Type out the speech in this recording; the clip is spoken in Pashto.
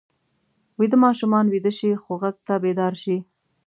ویده ماشومان ویده شي خو غږ ته بیدار شي